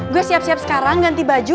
gue siap siap sekarang ganti baju